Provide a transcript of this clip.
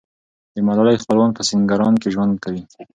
د ملالۍ خپلوان په سینګران کې ژوند کوي.